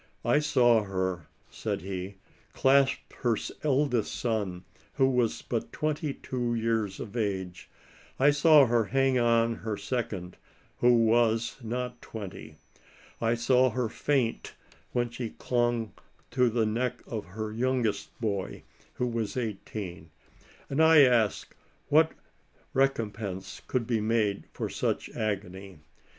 " I saw her," said te, " clasp her eldest son, who was but twenty two years of age ; I saw her hang on her second, who was not twenty ; I saw her faint when she clung to the neck of her youngest boy, who was but eighteen ; and I ask what recompense could be made for such agony.